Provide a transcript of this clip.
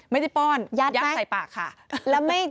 ไม่ได้ป้อนยักษ์ใส่ปากค่ะยัดไปแล้วไม่